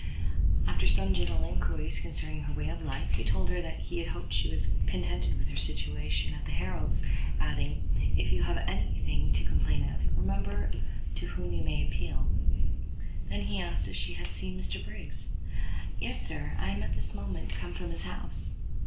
After some general inquiries concerning her way of life, he told her that he hoped she was contented with her situation at the Harrels, adding, "If you have any thing to complain of, remember to whom you may appeal." He then asked if she had seen Mr Briggs? "Yes, sir, I am this moment come from his house."